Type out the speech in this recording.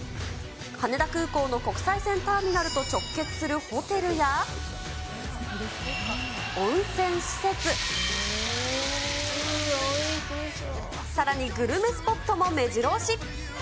羽田空港の国際線ターミナルと直結するホテルや、温泉施設、さらにグルメスポットもめじろ押し。